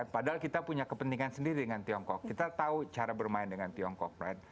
padahal kita punya kepentingan sendiri dengan tiongkok kita tahu cara bermain dengan tiongkok right